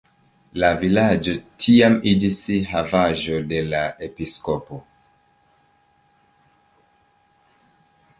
La vilaĝo tiam iĝis havaĵo de la episkopo.